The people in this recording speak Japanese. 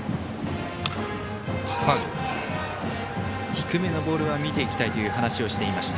低めのボールは見ていきたいと話をしていました。